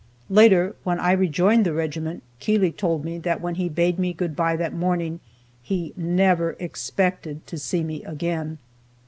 Later, when I rejoined the regiment, Keeley told me that when he bade me good by that morning he never expected to see me again.